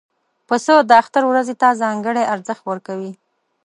پسه د اختر ورځې ته ځانګړی ارزښت ورکوي.